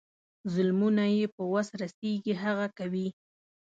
ظلمونه یې په وس رسیږي هغه کوي.